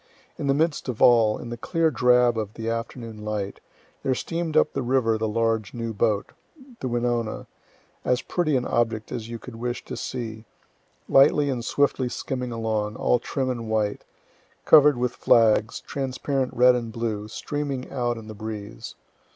In the midst of all, in the clear drab of the afternoon light, there steam'd up the river the large, new boat, "the Wenonah," as pretty an object as you could wish to see, lightly and swiftly skimming along, all trim and white, cover'd with flags, transparent red and blue, streaming out in the breeze.